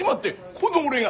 この俺が！